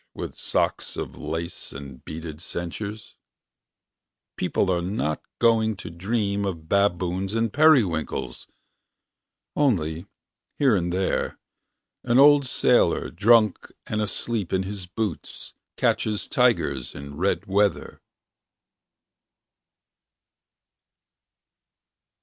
With socks of lace And beaded ceintures . People are not going To dream of baboons and periwinkles . Only, here and there, an old sailor. Drunk and asleep in his boots. Catches Tigers In red weather.